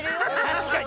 たしかに！